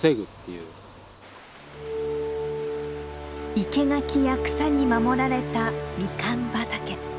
生け垣や草に守られたミカン畑。